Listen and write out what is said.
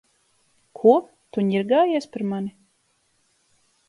Ko? Tu ņirgājies par mani?!